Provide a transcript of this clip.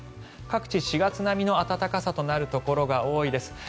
各地４月並みの暖かさとなるところが多いです。